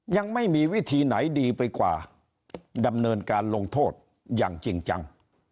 ยังไม่มีวิธีไหนดีไปกว่าดำเนินการลงโทษอย่างจริงจัง